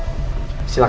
untuk mau dalam sini pak